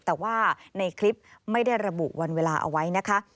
แต่ว่าในคลิปไม่ได้ระบุวันเวลาเอาไว้นะคะ